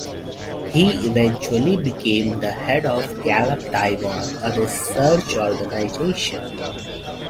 He eventually became the head of Gallup Taiwan, a research organisation.